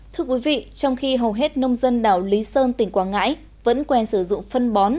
thưa quý vị trong khi hầu hết nông dân đảo lý sơn tỉnh quảng ngãi vẫn quen sử dụng phân bón